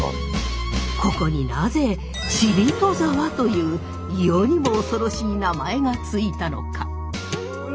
ここになぜ死人沢という世にも恐ろしい名前が付いたのか？